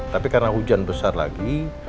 tapi karena hujan besar lagi